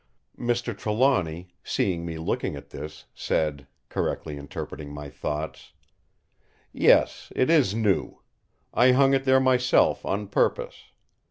Mr. Trelawny, seeing me looking at this, said, correctly interpreting my thoughts: "Yes! it is new. I hung it there myself on purpose.